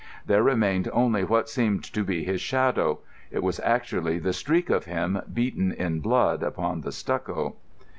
There remained only what seemed to be his shadow. It was actually the streak of him beaten in blood upon the stucco.